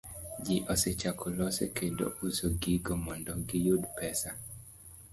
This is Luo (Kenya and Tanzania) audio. Ji osechako loso kendo uso gigo mondo giyud pesa.